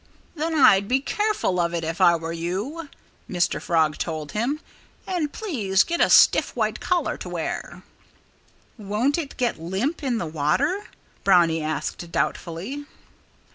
"Then I'd be careful of it if I were you," Mr. Frog told him. "And please get a stiff white collar to wear." "Won't it get limp in the water?" Brownie asked, doubtfully.